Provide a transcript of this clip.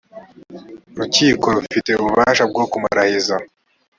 urukiko rufite ububasha bwokumurahiza.